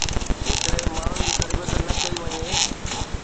جيڪڏهن ماڻهن جي تربيت نه ڪئي وڃي